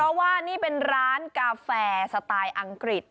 เพราะว่านี่เป็นร้านกาแฟสไตล์อังกฤษ